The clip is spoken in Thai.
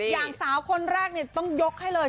อย่างสาวคนแรกต้องยกให้เลย